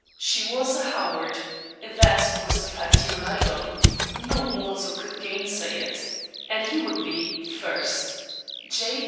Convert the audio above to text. She was a Howard that was the fact he relied on no mortal could gainsay it; and he would be, first, J.